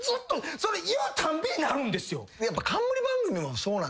それ言うたんびになるんですよ。